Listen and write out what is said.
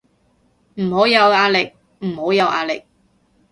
唔好有壓力，唔好有壓力